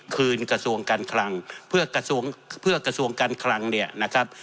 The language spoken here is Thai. กระทรวงการคลังเพื่อกระทรวงเพื่อกระทรวงการคลังเนี่ยนะครับ